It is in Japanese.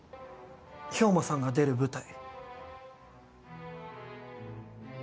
兵馬さんが出る舞台。